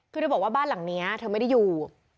คือเธอบอกว่าบ้านหลังนี้เธอไม่ได้อยู่